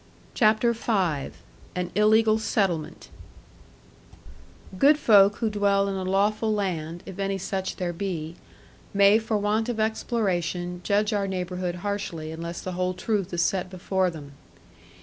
CHAPTER V AN ILLEGAL SETTLEMENT Good folk who dwell in a lawful land, if any such there be, may for want of exploration, judge our neighbourhood harshly, unless the whole truth is set before them.